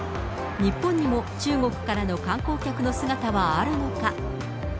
日本にも中国からの観光客の姿はあるのか。